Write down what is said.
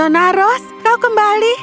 sarah nona rose kau kembali